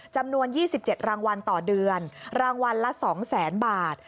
จำนวน๒๗รางวัลต่อเดือนรางวัลละ๒๐๐๐๐บาท